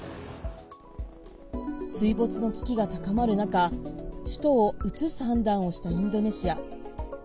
水没の危機が高まる中首都を移す判断をしたインドネシア。